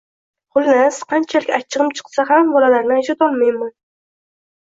Xullas, qanchalik achchig`im chiqsa ham bolalarni ajratolmayman